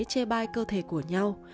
chê bai cơ thể của nhau